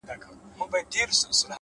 دا ستا په ياد كي بابولاله وايم،